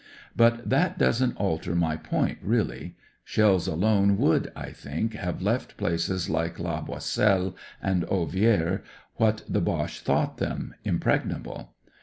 But that doesn't alter my point, really. Shells alone would, I think, have left places like La Boiselle and 112 A REVEREND CORPORAL Ovillers what the Boche thought them: impregnable.